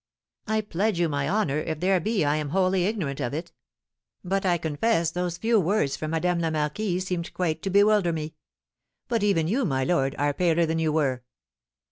"I pledge you my honour if there be I am wholly ignorant of it; but I confess those few words from Madame la Marquise seemed quite to bewilder me. But even you, my lord, are paler than you were."